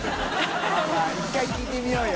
泙１回聞いてみようよ。